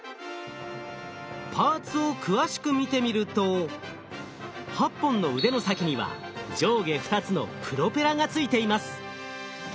パーツを詳しく見てみると８本の腕の先には上下２つのプロペラが付いています。